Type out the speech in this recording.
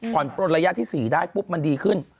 ก่อนประโยชน์ระยะที่๔ได้ปุ๊บมันดีขึ้น